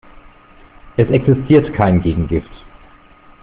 Es existiert kein Gegengift.